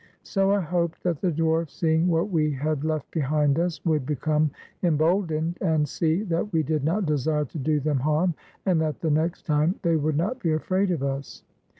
So I hoped that the dwarfs, seeing what we had left behind us, would become emboldened, and see that we did not desire to do them harm, and that the next time they would not be afraid of us.